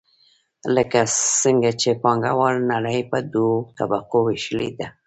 لکه څنګه چې پانګواله نړۍ په دوو طبقو ویشلې ده.